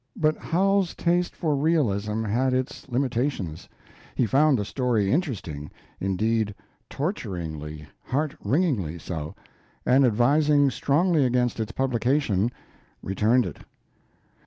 But Howells's taste for realism had its limitations. He found the story interesting indeed, torturingly, heart wringingly so and, advising strongly against its publication, returned it.